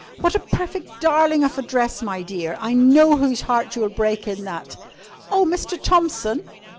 What a perfect darling of a dress, my dear. I know whose heart you'll break in that! Oh, Mr. Thompson!"